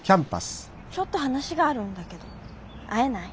ちょっと話があるんだけど会えない？